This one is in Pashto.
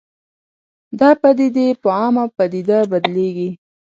دا پدیدې په عامه پدیده بدلېږي